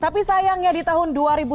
tapi sayangnya di tahun dua ribu lima belas